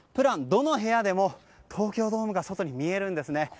どの部屋でも東京ドームが外に見えるんですね。